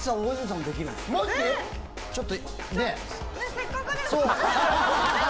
せっかくですから。